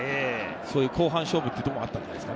後半勝負というところもあったんじゃないですか。